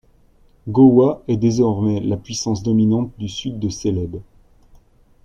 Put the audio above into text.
Gowa est désormais la puissance dominante du sud de Célèbes.